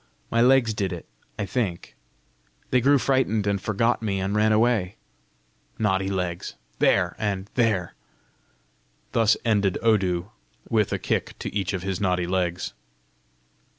My legs did it, I think: they grew frightened, and forgot me, and ran away! Naughty legs! There! and there!" Thus ended Odu, with a kick to each of his naughty legs.